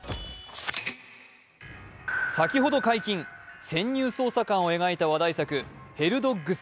先ほど解禁潜入捜査官を描いた話題作「ヘルドッグス